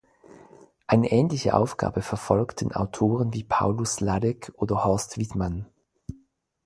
Eine ähnliche Aufgabe verfolgten Autoren wie Paulus Sladek oder Horst Widmann.